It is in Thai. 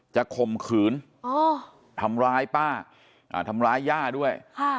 จะข่มขืนอ๋อทำร้ายป้าอ่าทำร้ายย่าด้วยค่ะ